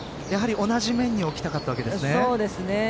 同じ面に置きたかったわけですね。